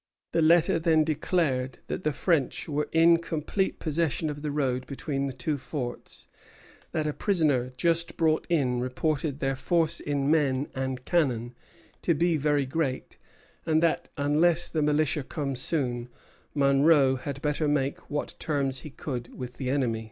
The letter then declared that the French were in complete possession of the road between the two forts, that a prisoner just brought in reported their force in men and cannon to be very great, and that, unless the militia came soon, Monro had better make what terms he could with the enemy.